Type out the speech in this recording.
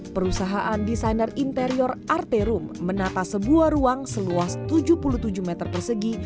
perusahaan desainer interior arterum menata sebuah ruang seluas tujuh puluh tujuh meter persegi